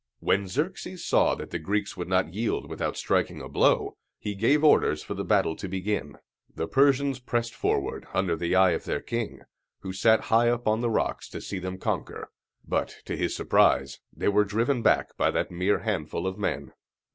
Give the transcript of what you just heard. When Xerxes saw that the Greeks would not yield without striking a blow, he gave orders for the battle to begin. The Persians pressed forward, under the eye of their king, who sat high up on the rocks to see them conquer; but, to his surprise, they were driven back by that mere handful of men.